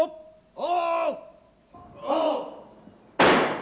お！